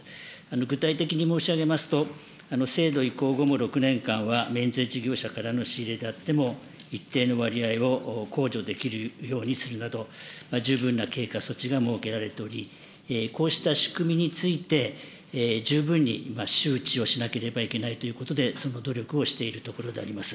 具体的に申し上げますと、制度移行後、６年間は免税事業者からの仕入れであっても、一定の割合を控除できるようにするなど、十分な経過措置が設けられており、こうした仕組みについて、十分に周知をしなければいけないということで、その努力をしているところであります。